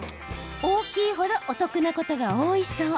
大きい程お得なことが多いそう。